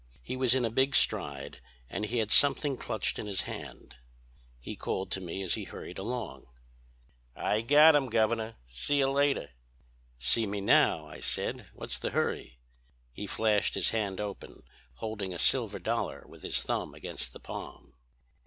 He was in a big stride and he had something clutched in his hand. "He called to me as he hurried along: 'I got him, Governor.... See you later!' "'See me now,' I said. 'What's the hurry?' "He flashed his hand open, holding a silver dollar with his thumb against the palm.